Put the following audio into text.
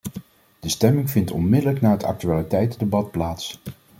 De stemming vindt onmiddellijk na het actualiteitendebat plaats.